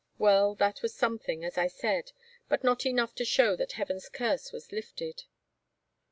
Well, that was something, as I said, but not enough to show that Heaven's curse was lifted."